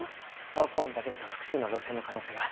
走行音だけだと複数の路線の可能性が。